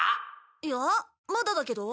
いやまだだけど。